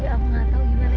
aku gak tau gimana